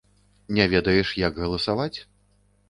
Не ведаеш, як галасаваць?